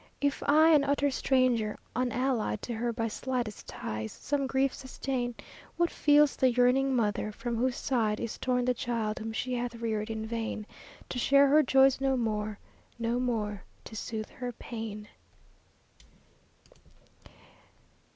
If I, an utter stranger, unallied To her by slightest ties, some grief sustain, What feels the yearning mother, from whose side Is torn the child whom she hath reared in vain, To share her joys no more, no more to sooth her pain!